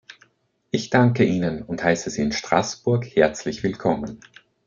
Ich danke Ihnen und heiße Sie in Straßburg herzlich willkommen.